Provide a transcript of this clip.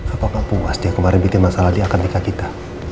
apa kamu puas dia kemarin bikin masalah di akan nikah kita